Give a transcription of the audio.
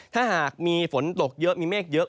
ถ้าหากมีฝนตกเยอะมีเมฆเยอะ